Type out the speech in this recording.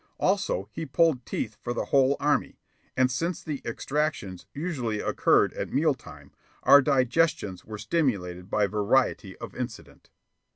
Also, he pulled teeth for the whole army, and, since the extractions usually occurred at meal time, our digestions were stimulated by variety of incident.